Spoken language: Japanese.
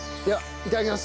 いただきます。